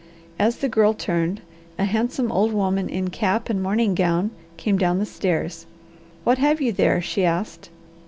As the girl turned, a handsome old woman in cap and morning gown came down the stairs. "What have you there?" she asked.